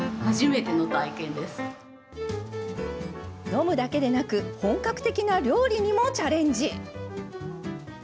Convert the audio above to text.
飲むだけでなく本格的な料理にもチャレンジ。